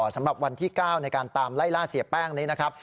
สำหรับวันที่๙ในการตามไล่ล่าเสียแป้งนี้นะครับ